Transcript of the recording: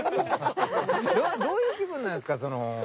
どういう気分なんですか？